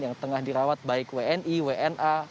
yang tengah dirawat baik wni wna